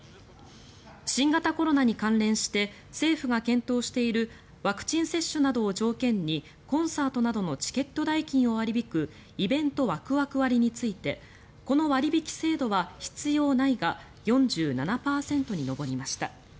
新型コロナに関連して政府が検討しているワクチン接種などを条件にコンサートなどのチケット代金を割り引くイベントワクワク割についてこの割引制度は必要ないが４７％に上りました。